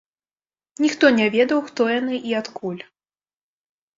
Ніхто не ведаў хто яны і адкуль.